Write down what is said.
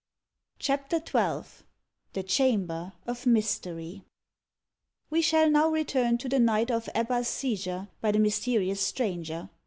CHAPTER XII THE CHAMBER OF MYSTERY We shall now return to the night of Ebba's seizure by the mysterious stranger.